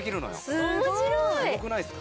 すごくないですか？